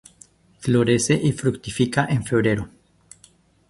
Florece y fructifica en febrero.